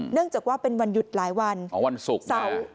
เนื่องจากว่าเป็นวันหยุดหลายวันอ๋อวันศุกร์เสาร์